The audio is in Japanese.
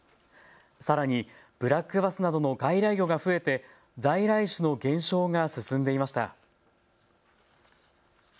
さらにブラックバスなどの外来魚が増えて在来種の減少が進んでいました。